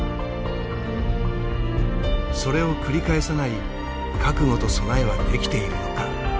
それを繰り返さない覚悟と備えはできているのか。